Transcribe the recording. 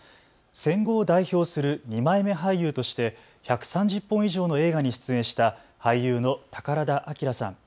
戦後を代表する二枚目俳優として１３０本以上の映画に出演した俳優の宝田明さん。